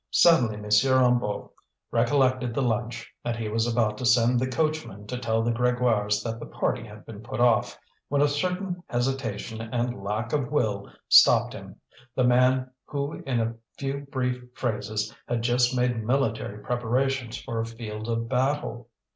Suddenly M. Hennebeau recollected the lunch; and he was about to send the coachman to tell the Grégoires that the party had been put off, when a certain hesitation and lack of will stopped him the man who in a few brief phrases had just made military preparations for a field of battle.